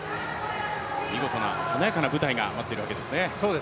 見事な、華やかな舞台が待っているわけですね。